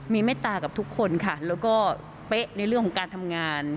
มีเมตตากับทุกคนค่ะแล้วก็เป๊ะในเรื่องของการทำงาน